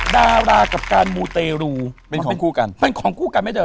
ดารากับการมูเตรูเป็นของคู่กันมันของคู่กันไหมเธอ